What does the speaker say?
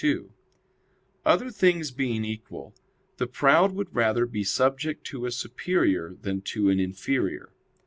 2: Other things being equal, the proud would rather be subject to a superior than to an inferior.